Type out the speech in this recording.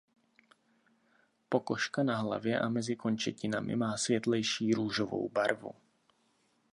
Pokožka na hlavě a mezi končetinami má světlejší růžovou barvu.